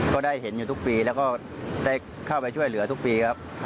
ก็ได้เห็นอยู่ทุกปีแล้วก็ได้เข้าไปช่วยเหลือทุกปีครับ